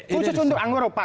khusus untuk anggoro pak